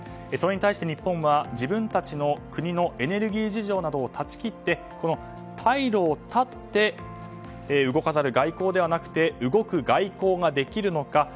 それに対して、日本は自分たちの国のエネルギー事情などを断ち切って、退路を断って動かざる外交ではなく動く外交ができるのか。